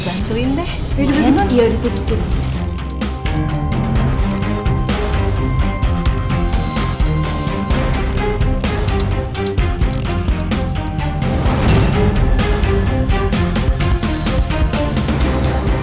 nanti aku kasih informasi